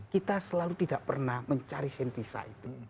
kita selalu tidak pernah mencari sentisa itu